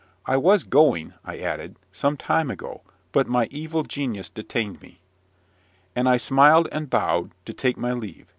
I was going," I added, "some time ago, but my evil genius detained me." And I smiled and bowed, to take my leave.